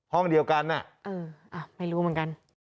ห้องเดียวกันไม่รู้เหมือนกัน